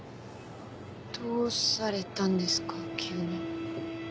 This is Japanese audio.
どうされたんですか急に。